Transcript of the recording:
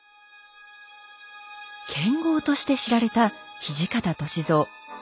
剣豪として知られた土方歳三。